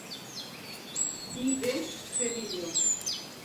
Dir bé, fer millor.